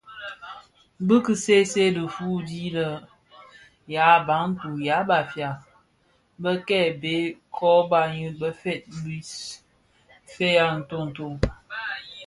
Bi ki see see dhifuu di bè yabantu (ya Bafia) be kibèè kō bani bëftëg bis fèeg a ntonto.